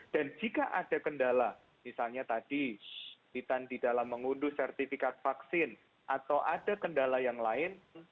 dan jika ada kendala misalnya tadi kita di dalam mengunduh sertifikat vaksin atau ada kendala yang lain